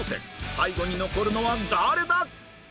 最後に残るのは誰だ？